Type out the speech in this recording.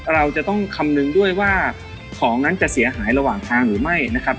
เราจะต้องคำนึงด้วยว่าของนั้นจะเสียหายระหว่างทางหรือไม่นะครับ